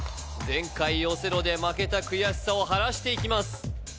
前回オセロで負けた悔しさを晴らしていきます